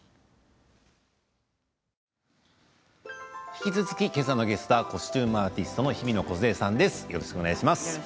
引き続き、今日のゲストはコスチューム・アーティストのひびのこづえさんです。